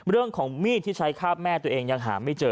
เรื่องของมีดที่ใช้คาบแม่ตัวเองยังหาไม่เจอ